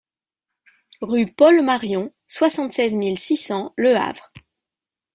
Rue Paul Marion, soixante-seize mille six cents Le Havre